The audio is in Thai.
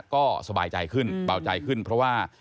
ก็สบายใจขึ้นเบาใจขึ้นเพราะว่า